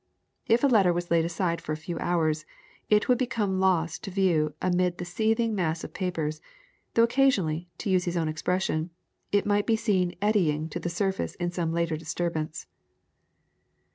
If a letter was laid aside for a few hours, it would become lost to view amid the seething mass of papers, though occasionally, to use his own expression, it might be seen "eddying" to the surface in some later disturbance.